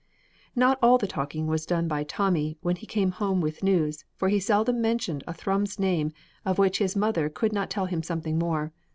Not all the talking was done by Tommy when he came home with news, for he seldom mentioned a Thrums name, of which his mother could not tell him something more.